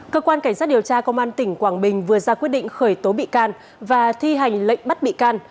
cơ quan cảnh sát điều tra công an tỉnh quảng bình vừa ra quyết định khởi tố bị can và thi hành lệnh bắt bị can